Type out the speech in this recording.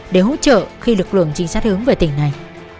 để hỗ trợ khi lực lượng trinh sát hướng về tỉnh này